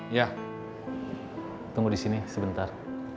iya tunggu disini sebentar